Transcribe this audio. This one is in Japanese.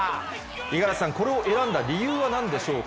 五十嵐さん、これを選んだ理由はなんでしょうか。